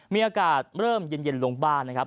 มีอากาศเริ่มเย็นลงบ้างนะครับ